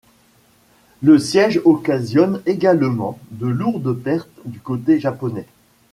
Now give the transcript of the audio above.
Le siège occasionne également de lourdes pertes du côté japonais.